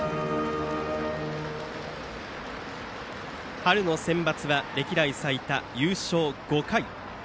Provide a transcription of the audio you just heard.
春のセンバツは歴代最多優勝５回。